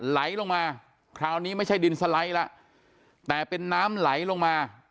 ไหลลงมาคราวนี้ไม่ใช่ดินสไลด์แล้วแต่เป็นน้ำไหลลงมา